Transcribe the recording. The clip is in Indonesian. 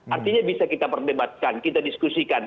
artinya bisa kita perdebatkan kita diskusikan